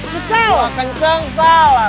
gue kenceng salah